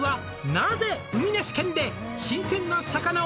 「なぜ海なし県で新鮮な魚を」